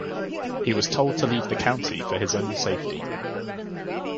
He was told to leave the county for his own safety.